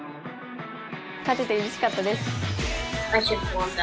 勝ててうれしかったです。